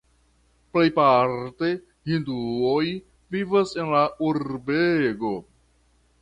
Plejparte hinduoj vivas en la urbego.